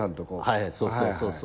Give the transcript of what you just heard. はいそうそうそう。